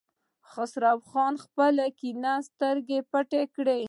خسرو خان خپله کيڼه سترګه پټه کړه.